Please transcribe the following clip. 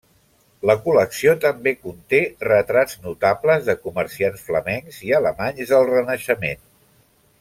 La col·lecció també conté retrats notables de comerciants flamencs i alemanys del Renaixement.